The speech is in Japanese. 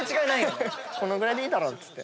このぐらいでいいだろっつって。